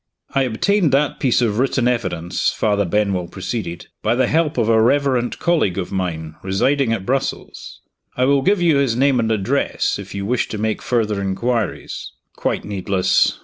"I obtained that piece of written evidence," Father Benwell proceeded, "by the help of a reverend colleague of mine, residing at Brussels. I will give you his name and address, if you wish to make further inquiries." "Quite needless.